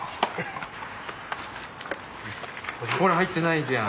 ほら入ってないじゃん。